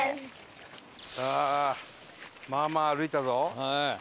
まあまあ歩いたぞ。